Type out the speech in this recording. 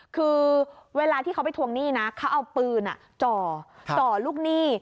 คือเวลาที่เขาไปทวงหนี้นะเขาเอาปืนจ่อลูกหนี้